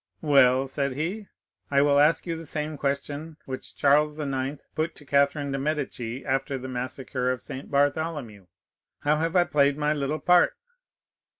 "Well," said he, "I will ask you the same question which Charles IX. put to Catherine de' Medici, after the massacre of Saint Bartholomew: 'How have I played my little part?